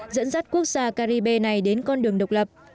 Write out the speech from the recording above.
dẫn dắt quốc gia caribe này đến con đường độc lập